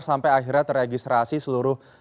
sampai akhirnya terregistrasi seluruh dokter dan juga